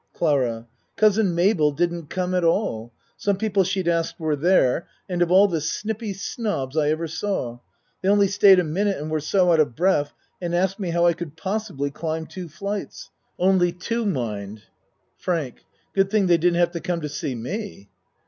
CLARA Cousin Mabel didn't come at all. Some people she'd asked were there, and of all the snippy snobs I ever saw! They only stayed a minute and were so out of breath and asked me how I could possibly climb two flights. Only two mind. FRANK Good thing they didn't have to come to see me.